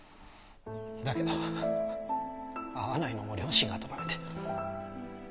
だけど会わないのも良心がとがめて。